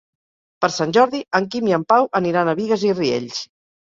Per Sant Jordi en Quim i en Pau aniran a Bigues i Riells.